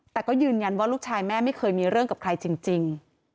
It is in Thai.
แต่ก็ยืนยันว่าลูกชายแม่ไม่เคยมีเรื่องกับใครจริง